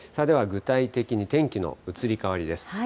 具体的に天気の移り変わりです。